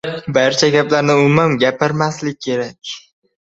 barcha gaplarni umuman gapirmaslik kerak.